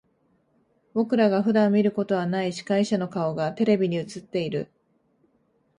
僕らが普段見ることはない司会者の顔がテレビに映っている。